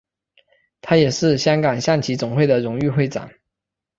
他也是香港象棋总会的荣誉会长。